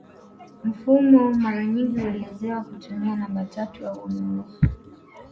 Mfumo mara nyingi huelezewa kutumia namba tatu au nne